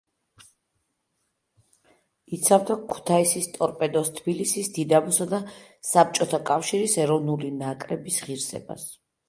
იცავდა ქუთაისის „ტორპედოს“, თბილისის „დინამოსა“ და საბჭოთა კავშირის ეროვნული ნაკრების ღირსებას.